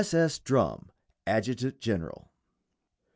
S. S. DRUM, Adjutant General.